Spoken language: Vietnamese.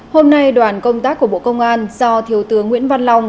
hôm nay đoàn công tác của bộ công an do thiếu tướng nguyễn văn long